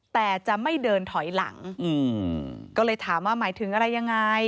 แต่จะไม่เดินถอยหลังก็เลยถามว่าหมายถึงอะไรยังไง